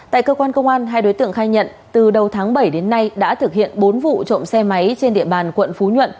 tại cơ quan công an hai đối tượng khai nhận từ đầu tháng bảy đến nay đã thực hiện bốn vụ trộm xe máy trên địa bàn quận phú nhuận